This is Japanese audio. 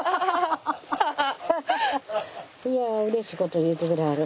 いやうれしいこと言うてくれはる。